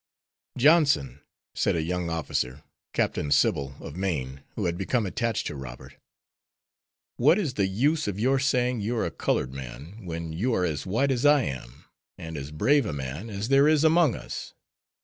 "Johnson," said a young officer, Captain Sybil, of Maine, who had become attached to Robert, "what is the use of your saying you're a colored man, when you are as white as I am, and as brave a man as there is among us.